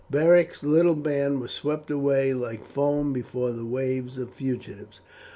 Beric's little band was swept away like foam before the wave of fugitives.